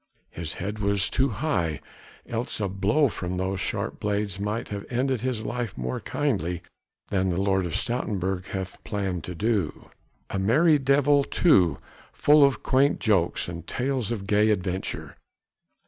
His head was too high, else a blow from those sharp blades might have ended his life more kindly than the Lord of Stoutenburg hath planned to do. A merry devil too! full of quaint jokes and tales of gay adventure!